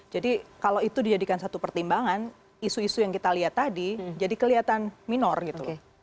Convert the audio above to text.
jadi kalau itu dijadikan satu pertimbangan isu isu yang kita lihat tadi jadi kelihatan minor gitu